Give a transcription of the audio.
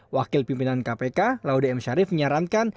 wakil pimpinan kpk laude m sharif menyarankan